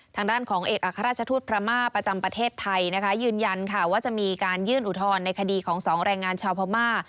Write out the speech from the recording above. ทางด้านของเอกอัครราชทูตพราม่าประจำประเทศไทยนะคะยืนยันค่ะว่าจะมีการยื่นอุทธรณ์ในคดีของสองแรงงานชาวพม่า